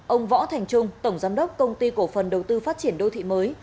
ông võ thành trung tổng giám đốc công ty cổ phần đầu tư phát triển đô thị mới